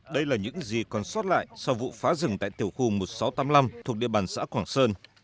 đây là những gì còn sót lại sau vụ phá rừng tại tiểu khu một nghìn sáu trăm tám mươi năm thuộc địa bàn xã quảng sơn